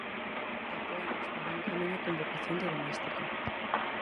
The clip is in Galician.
Apoios para un camiño con vocación de doméstico.